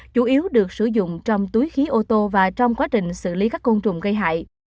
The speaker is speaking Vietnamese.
chủ yếu được sử dụng trong túi khí ô tô và trong quá trình xử lý các côn trùng gây hại